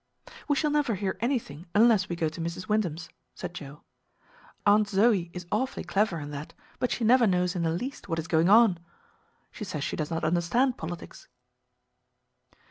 "We shall never hear anything unless we go to Mrs. Wyndham's," said Joe. "Aunt Zoë is awfully clever, and that, but she never knows in the least what is going on. She says she does not understand politics."